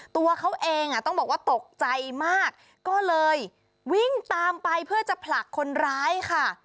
ตัวเขาเองต้องบอกว่าตกใจมากก็เลยวิ่งตามไปเพื่อจะผลักคนร้ายค่ะ